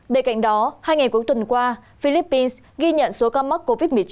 bên cạnh đó hai ngày cuối tuần qua philippines ghi nhận số ca mắc covid một mươi chín